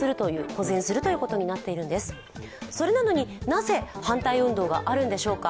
なぜ、反対運動があるのでしょうか。